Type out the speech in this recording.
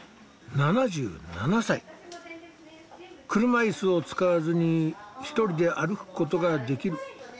車いすを使わずに１人で歩くことができる。